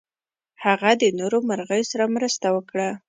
هغه د نورو مرغیو سره مرسته وکړه.